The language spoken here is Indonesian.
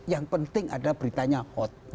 yang penting ada beritanya hot